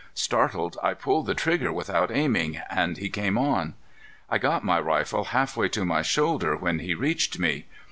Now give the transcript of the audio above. Startled, I pulled the trigger without aiming, and he came on. I got my rifle halfway to my shoulder, when he reached me.